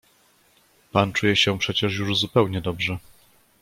"Pan czuje się przecież już zupełnie dobrze."